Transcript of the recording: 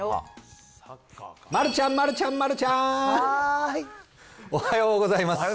丸ちゃん丸ちゃん丸ちゃん、おはようございます。